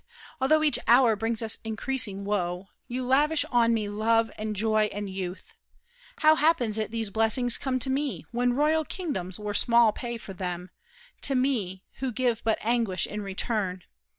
Although each hour brings us increasing woe, You lavish on me love and joy and youth! How happens it these blessings come to me, When royal kingdoms were small pay for them— To me, who give but anguish in return?